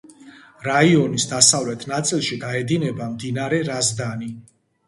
რაიონის დასავლეთ ნაწილში გაედინება მდინარე რაზდანი.